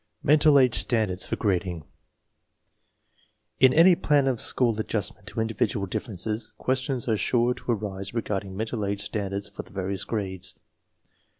n MENTAL AGE STANDARDS FOR GRADING In any plan of school adjustment to individual dif ferences questions are sure to arise regarding mental age standards for the various grades.